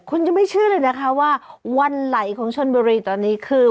คุณยังไม่เชื่อเลยนะคะว่าวันไหลของชนบุรีตอนนี้คือ